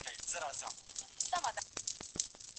څنګه لوی سوداګر تور جلغوزي اروپا ته لیږدوي؟